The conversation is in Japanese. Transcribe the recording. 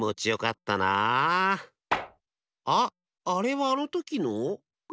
あっあれはあのときの？